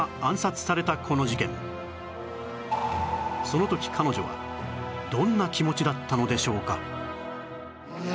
その時彼女はどんな気持ちだったのでしょうか？